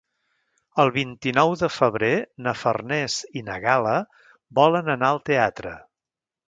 El vint-i-nou de febrer na Farners i na Gal·la volen anar al teatre.